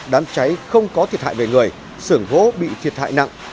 đám cháy không có thiệt hại về người xưởng gỗ bị thiệt hại nặng